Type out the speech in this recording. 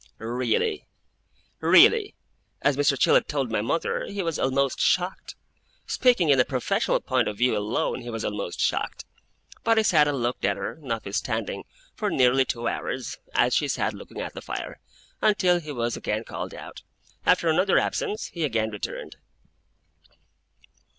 Really really as Mr. Chillip told my mother, he was almost shocked; speaking in a professional point of view alone, he was almost shocked. But he sat and looked at her, notwithstanding, for nearly two hours, as she sat looking at the fire, until he was again called out. After another absence, he again returned.